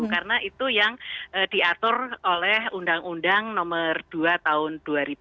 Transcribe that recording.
karena itu yang diatur oleh undang undang nomor dua tahun dua ribu dua